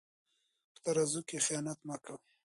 په ترازو کې خیانت مه کوئ.